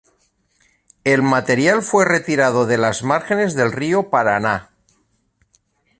El material fue retirado de las márgenes del río Paraná.